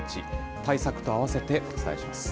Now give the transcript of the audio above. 対策と併せてお伝えします。